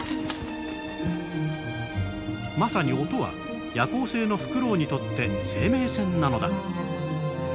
まさに音は夜行性のフクロウにとって生命線なのだ。